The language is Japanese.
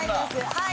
はい。